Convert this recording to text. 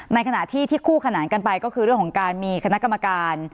ในขณะที่ที่คู่ขนานกันไปก็คือเรื่องของการมีคณะกรรมการ